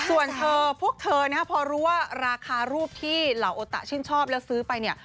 ส่วนเธอพวกเธอนะครับพอรู้ว่าราคารูปที่เหล่าโอตะชื่นชอบแล้วซื้อไปเนี่ย